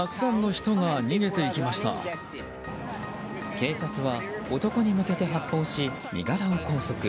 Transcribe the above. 警察は男に向けて発砲し身柄を拘束。